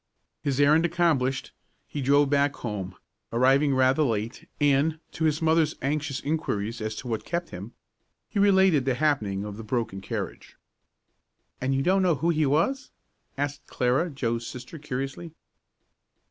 His errand accomplished, he drove back home, arriving rather late, and, to his mother's anxious inquiries as to what kept him, he related the happening of the broken carriage. "And you don't know who he was?" asked Clara, Joe's sister, curiously.